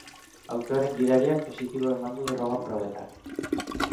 Autoaren gidariak positibo eman du droga probetan.